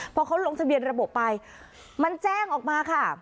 พอเขาลงทะเบียนระบบไปมันแจ้งออกมาค่ะ